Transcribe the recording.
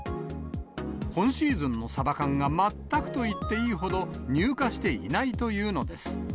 今シーズンのサバ缶が全くといっていいほど入荷していないというのです。